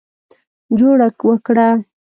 جوړه وکړه.